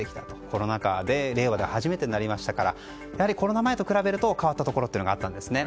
コロナ禍で令和で初めてになりましたからやはりコロナ前と比べると変わったところがあったんですね。